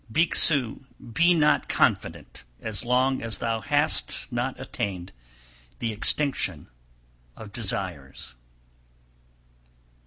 Bhikshu, be not confident as long as thou hast not attained the extinction of desires.